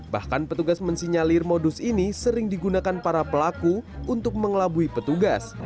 bahkan petugas mensinyalir modus ini sering digunakan para pelaku untuk mengelabui petugas